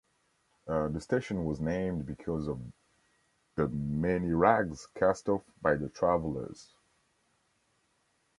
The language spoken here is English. The station was named because of the many rags cast off by the travelers.